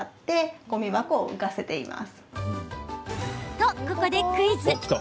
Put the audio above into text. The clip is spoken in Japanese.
と、ここでクイズ。